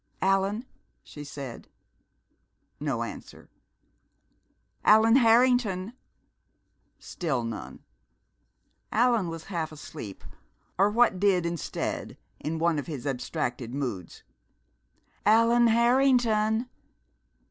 "Allan!" she said. No answer. "Allan Harrington!" Still none. Allan was half asleep, or what did instead, in one of his abstracted moods. "_All an Harrington!